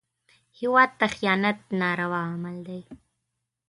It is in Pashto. هېواد ته خیانت ناروا عمل دی